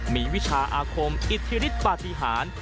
มีวิชาอาคมอิทธิฤทธิปฏิหาร